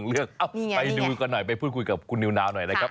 เรื่องไปพูดคุยกับคุณนิวนาวหน่อยนะครับ